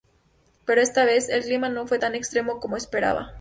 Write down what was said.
Pero esta vez, el clima no fue tan extremo como esperaba.